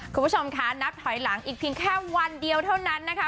คุณผู้ชมค่ะนับถอยหลังอีกเพียงแค่วันเดียวเท่านั้นนะคะ